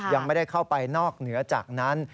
ยังไม่ได้เข้าไปนอกเหนือจากนั้น